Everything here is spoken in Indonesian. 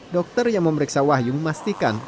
dokter yang memeriksa wahyu memastikan